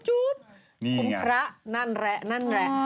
คุณพระนั่นแหละนั่นแหละ